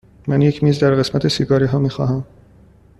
من یک میز در قسمت سیگاری ها می خواهم.